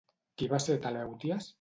Qui va ser Telèuties?